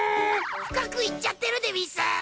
深くいっちゃってるでうぃす。